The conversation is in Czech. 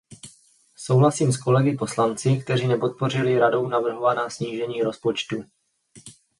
Souhlasím s kolegy poslanci, kteří nepodpořili Radou navrhovaná snížení rozpočtu.